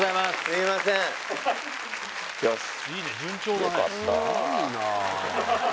すいませんよし